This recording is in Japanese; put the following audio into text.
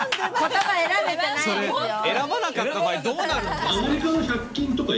選ばなかった場合どうなるんですか？